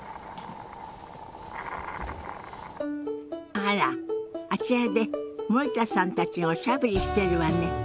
あらあちらで森田さんたちがおしゃべりしてるわね。